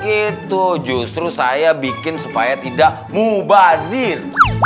itu justru saya bikin supaya tidak mubazir